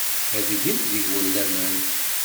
Ad gent deg-wen laman.